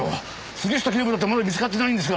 杉下警部だってまだ見つかってないんですから。